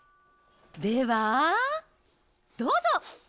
ではどうぞ！